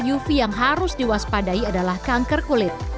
faktor papan uv yang harus diwaspadai adalah kanker kulit